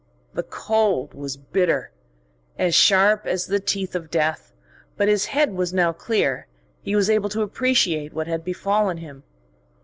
The cold was bitter, as sharp as the teeth of death; but his head was now clear, he was able to appreciate what had befallen him.